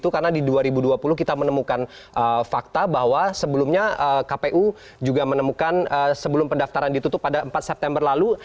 karena di dua ribu dua puluh kita menemukan fakta bahwa sebelumnya kpu juga menemukan sebelum pendaftaran ditutup pada empat september lalu